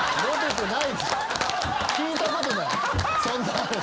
そんな話。